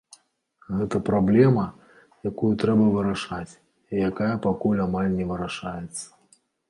Гэта праблема, якую трэба вырашаць, і якая пакуль амаль не вырашаецца.